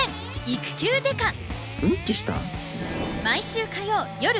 うんちした？